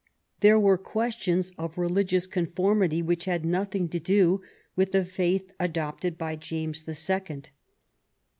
There were ques tions of religious conformity which had nothing to do with the faith adopted by James the Second.